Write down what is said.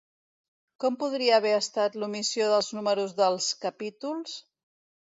Com podria haver estat l'omissió dels números dels capítols?